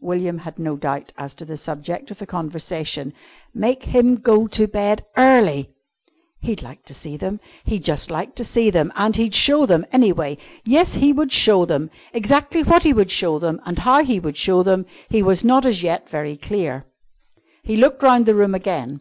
William had no doubt as to the subject of the conversation. Make him go to bed early! He'd like to see them! He'd just like to see them! And he'd show them, anyway. Yes, he would show them. Exactly what he would show them and how he would show them, he was not as yet very clear. He looked round the room again.